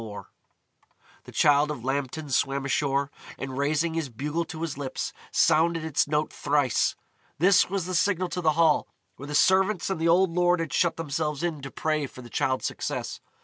[Illustration: The Lambton Worm] The Childe of Lambton swam ashore, and raising his bugle to his lips, sounded its note thrice. This was the signal to the Hall, where the servants and the old lord had shut themselves in to pray for the Childe's success.